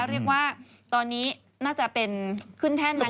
เรียกว่าตอนนี้น่าจะเป็นขึ้นแท่นนะ